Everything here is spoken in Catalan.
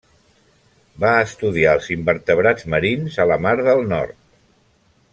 Va estudiar els invertebrats marins a la Mar del Nord.